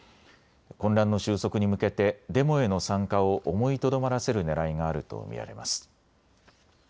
混乱の収束に向けてデモへの参加を思いとどまらせるねらいがあると見られます。